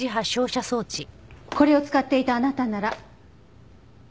これを使っていたあなたなら。